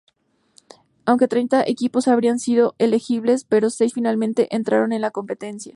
Aunque treinta equipos habrían sido elegibles, solo seis finalmente entraron en la competencia.